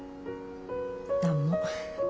何も。